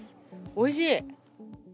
おいしい！